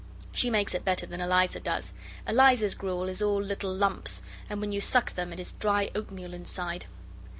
She makes it better than Eliza does; Eliza's gruel is all little lumps, and when you suck them it is dry oatmeal inside.